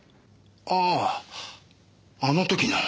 あああの時の。